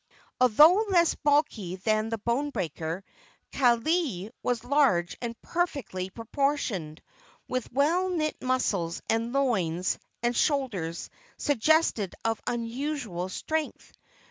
Although less bulky than the bone breaker, Kaaialii was large and perfectly proportioned, with well knit muscles and loins and shoulders suggestive of unusual strength.